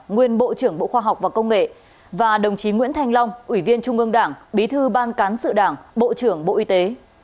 nguyên bộ trưởng bộ khoa học và công nghệ và đồng chí nguyễn thanh long ủy viên trung ương đảng bí thư ban cán sự đảng bộ trưởng bộ y tế